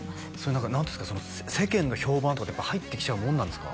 何か何ていうんですか世間の評判とかってやっぱ入ってきちゃうもんなんですか？